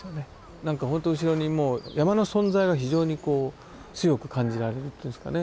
何かほんと後ろにもう山の存在が非常にこう強く感じられるっていうんですかね